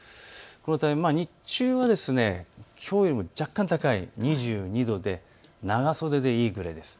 このため日中はきょうよりも若干高い２２度で長袖でいいくらいです。